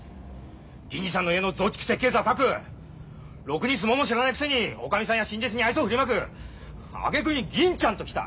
銀次さんの家の増築設計図は描くろくに相撲も知らないくせにおかみさんや新弟子に愛想を振りまくあげくに「銀ちゃん」ときた！